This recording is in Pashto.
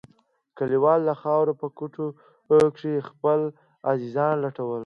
کليوالو د خاورو په کوټو کښې خپل عزيزان لټول.